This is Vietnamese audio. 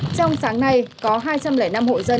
trong sáng nay có hai trăm linh năm hộ dân